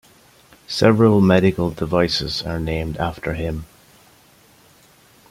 Several medical devices are named after him.